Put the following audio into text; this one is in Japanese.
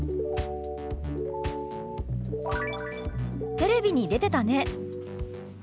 「テレビに出てたね」。